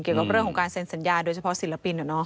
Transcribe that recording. เกี่ยวกับเรื่องของการเซ็นสัญญาโดยเฉพาะศิลปิน